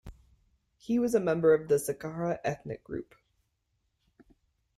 He was a member of the Nzakara ethnic group.